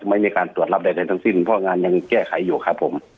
ไม่มีการตรวจรับใดทั้งสิ้นเพราะงานยังแก้ไขอยู่ครับผม